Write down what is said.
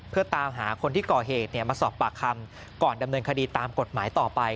เพื่อตามหาคนที่ก่อเหตุมาสอบปากคำก่อนดำเนินคดีตามกฎหมายต่อไป